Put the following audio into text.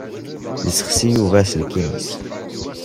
Yessexsi Yuba aselkim-is.